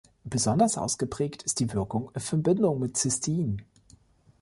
Besonders ausgeprägt ist die Wirkung in Verbindung mit Cystein.